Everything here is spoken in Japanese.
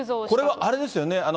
これはあれですよね？